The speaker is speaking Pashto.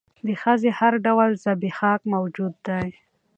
د ښځې هر ډول زبېښاک موجود دى.